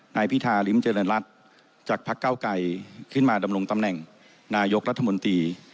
นายพิธาริมเจริญรัฐจากพักเก้าไกรขึ้นมาดำรงตำแหน่งนายกรัฐมนตรี